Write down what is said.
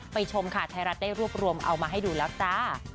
ไปชมค้าไทรัทได้รูปรวมเอามาให้ดูแล้วค่ะ